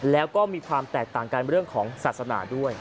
แล้วก็มีความแตกต่างกันเรื่องของศาสนาด้วย